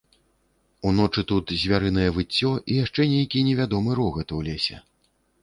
Уночы тут звярынае выццё і яшчэ нейкі невядомы рогат у лесе.